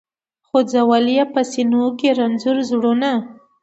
خو ځول یې په سینو کي رنځور زړونه